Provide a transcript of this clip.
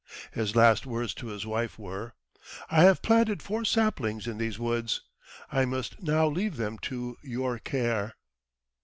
His last words to his wife were: "I have planted four saplings in these woods; I must now leave them to your care."